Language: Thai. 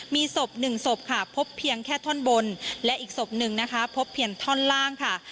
มีศพหนึ่งศพค่ะพบเพียงแค่ท่อนบนและอีกศพหนึ่งนะคะพบเพียงท่อนล่างค่ะ